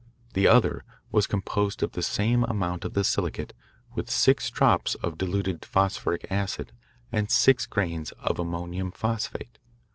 The other was composed of the same amount of the silicate with six drops of dilute phosphoric acid and six grains of ammonium phosphate.